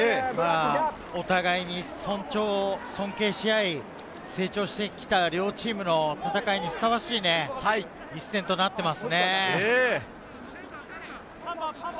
お互いに尊敬し合い、成長してきた両チームの戦いにふさわしい一戦となっていますね。